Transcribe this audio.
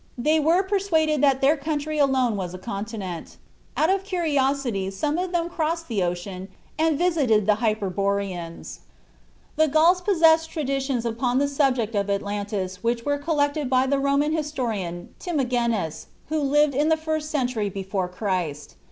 They were persuaded that their country alone was a continent. Out of curiosity some of them crossed the ocean and visited the Hyperboreans. "The Gauls possessed traditions upon the subject of Atlantis which were collected by the Roman historian Timagenes, who lived in the first century before Christ.